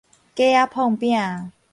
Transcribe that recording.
格仔膨餅